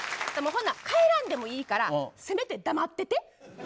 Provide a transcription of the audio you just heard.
もうほな帰らんでもいいからせめて黙ってて。